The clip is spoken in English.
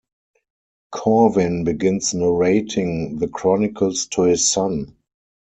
Corwin begins narrating the Chronicles to his son.